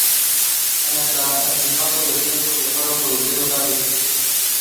Amy Adams refused to say if she had contested either position.